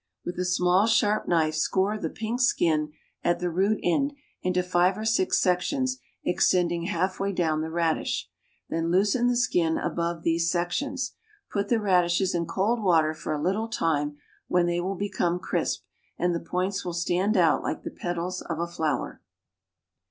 With a small, sharp knife score the pink skin, at the root end, into five or six sections extending half way down the radish; then loosen the skin above these sections. Put the radishes in cold water for a little time, when they will become crisp, and the points will stand out like the petals of a flower.